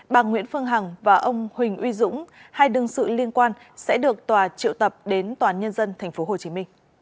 bà nguyễn phương hằng và ông huỳnh uy dũng hai đương sự liên quan sẽ được tòa triệu tập đến tòa án nhân dân tp hcm